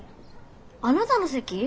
あなたの席？